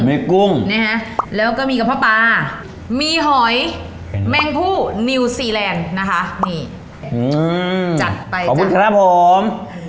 มีกุ้งแล้วก็มีกำผ้าปลามีหอยแมงพู่นิวซีแลนด์นะคะอื้อจัดไปขอบคุณครับผม